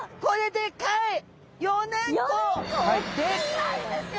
でかいですよ。